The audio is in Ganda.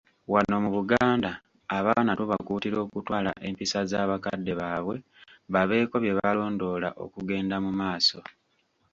Wano mu Buganda abaana tubakuutira okutwala empisa za bakadde baabwe babeeko byebalondoola okugenda mumaaso.